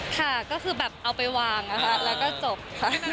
ค่ะก็คือแบบเอาไปวางนะคะแล้วก็จบค่ะ